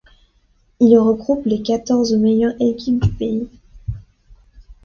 Il regroupe les quatorze meilleures équipes du pays.